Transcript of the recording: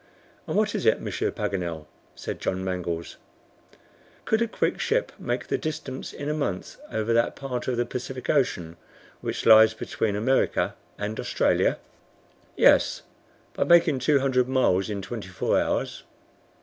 "And what is it, Monsieur Paganel?" said John Mangles. "Could a quick ship make the distance in a month over that part of the Pacific Ocean which lies between America and Australia?" "Yes, by making two hundred miles in twenty four hours."